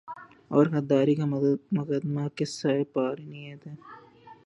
وہ غداری کا مقدمہ قصۂ پارینہ ہے۔